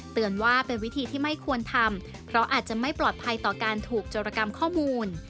เตือนว่าเป็นวิธีที่ไม่ควรทำเพราะอาจจะไม่ปลอดภัยต่อการถูกจรกรรมข้อมูล